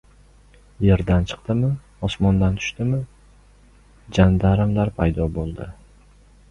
Yerdan chiqdimi, osmondan tushdimi – jandarmlar paydo boʻldi…